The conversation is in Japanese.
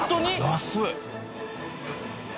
安い！